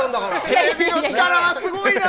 テレビの力はすごいな！